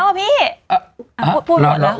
พูดเป็นหมดแล้วเอ้ยพี่พูดไปหมดแล้วอ่ะ